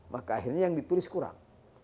maka akhirnya yang ditulis kurang